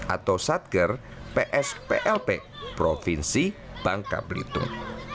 atau satger psplp provinsi bangka belitung